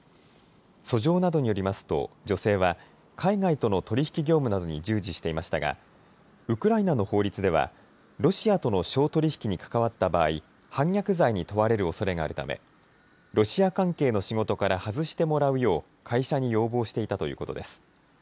訴状などによりますと女性は海外との取り引き業務などに従事していましたがウクライナの法律ではロシアとの商取引に関わった場合、反逆罪に問われるおそれがあるためロシア関係の仕事から外してもらうよう会社に要望していたということです。